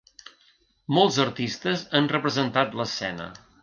Molts artistes han representat l'escena.